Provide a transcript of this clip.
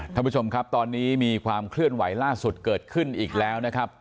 ท่านผู้ชมครับตอนนี้มีความเคลื่อนไหวล่าสุดเกิดขึ้นอีกแล้วนะครับ